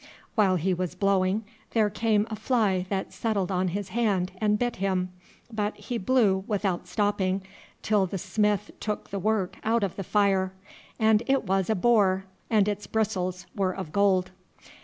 While he was blowing there came a fly that settled on his hand and bit him, but he blew without stopping till the smith took the work out of the fire, and it was a boar, and its bristles were of gold.